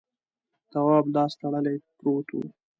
تواب لاس تړلی پروت و.